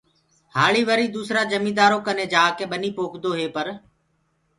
هآݪي وري دوسرآ جميندآرو ڪني جآڪي ٻني پوکدو هي پر